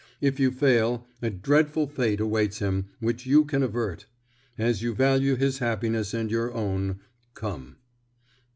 If you fail, a dreadful fate awaits him, which you can avert. As you value his happiness and your own, come."